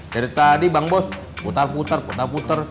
dari tadi bang bos putar putar putar putar